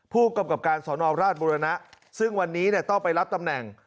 ผู้กำกับการสอนอราชบุรณะซึ่งวันนี้ต้องไปรับตำแหน่ง